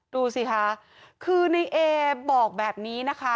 ดูสิคะคือในเอบอกแบบนี้นะคะ